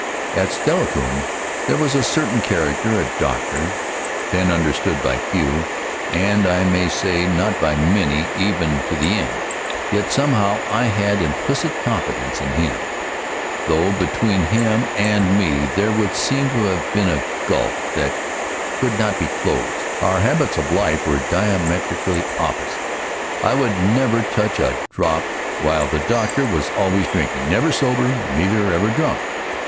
At Steilacoom there was a certain character, a doctor, then understood by few, and I may say not by many even to the end. Yet, somehow, I had implicit confidence in him, though between him and me there would seem to have been a gulf that could not be closed. Our habits of life were diametrically opposite. I would never touch a drop, while the doctor was always drinking never sober, neither ever drunk.